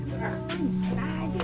aduh lagi lagi ini gemis